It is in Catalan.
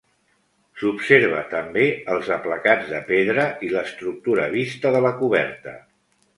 S'observa també els aplacats de pedra i l'estructura vista de la coberta.